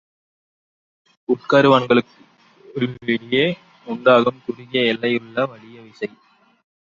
உட்கருவன்களுக்கிடையே உண்டாகும் குறுகிய எல்லையுள்ள வலிய விசை.